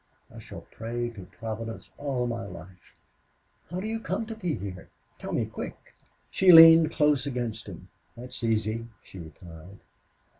I shall pray to Providence all my life. How do you come to be here? Tell me, quick." She leaned close against him. "That's easy," she replied.